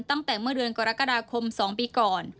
ตั้งแต่เมื่อเดือนกรกฎาคม๒ปีก่อน